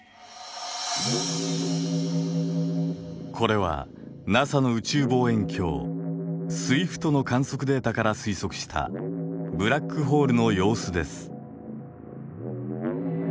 これはＮＡＳＡの宇宙望遠鏡スウィフトの観測データから推測したブラックホールの様子です。